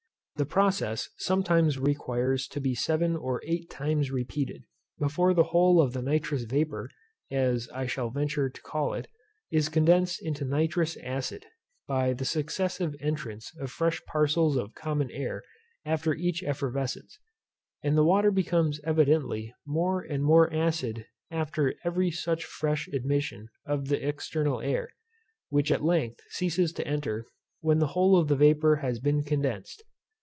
The process sometimes requires to be seven or eight times repeated, before the whole of the nitrous vapour (as I shall venture to call it) is condensed into nitrous acid, by the successive entrance of fresh parcels of common air after each effervescence; and the water becomes evidently more and more acid after every such fresh admission of the external air, which at length ceases to enter, when the whole of the vapour has been condensed.